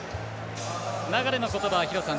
流の言葉は廣瀬さん